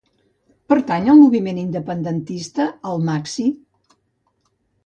Pertany al moviment independentista el Maxi?